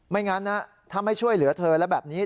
งั้นนะถ้าไม่ช่วยเหลือเธอแล้วแบบนี้